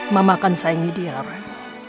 mama akan sayangi dia ren